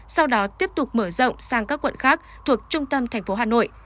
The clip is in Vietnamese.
sau đó tiếp tục mở rộng sang các quận khác thuộc trung tâm thành phố hà nội